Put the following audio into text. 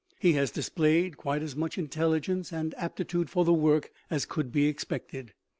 He has displayed quite as much intelligence and aptitude for the work as could be expected.